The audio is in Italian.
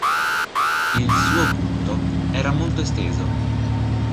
Il suo culto era molto esteso.